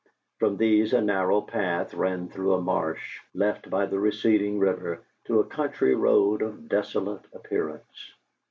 From these a narrow path ran through a marsh, left by the receding river, to a country road of desolate appearance.